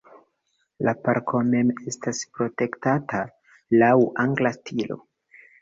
La parko mem estas protektata laŭ angla stilo.